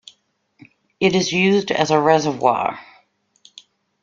It is used as a reservoir.